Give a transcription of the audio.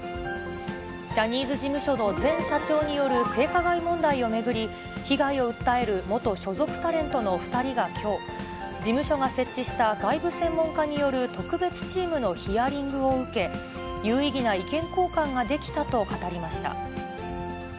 ジャニーズ事務所の前社長による性加害問題を巡り、被害を訴える元所属タレントの２人がきょう、事務所が設置した外部専門家による特別チームのヒアリングを受け、有意義な意見交換ができたと語りました。